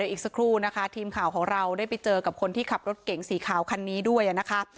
อีกสักครู่นะคะทีมข่าวของเราได้ไปเจอกับคนที่ขับรถเก๋งสีขาวคันนี้ด้วยนะคะ